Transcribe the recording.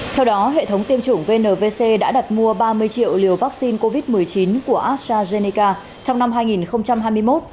theo đó hệ thống tiêm chủng vnvc đã đặt mua ba mươi triệu liều vaccine covid một mươi chín của astrazeneca trong năm hai nghìn hai mươi một